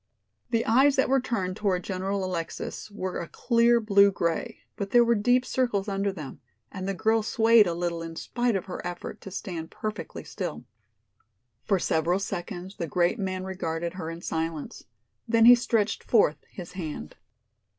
The eyes that were turned toward General Alexis were a clear blue gray, but there were deep circles under them, and the girl swayed a little in spite of her effort to stand perfectly still. For several seconds the great man regarded her in silence. Then he stretched forth his hand.